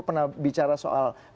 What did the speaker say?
pernah bicara soal